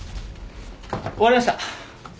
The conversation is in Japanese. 終わりました。